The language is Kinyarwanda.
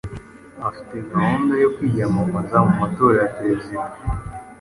afite gahunda yo kwiyamamaza mu matora ya perezida.